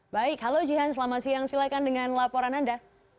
baik halo jihan selamat siang silahkan dengan laporan anda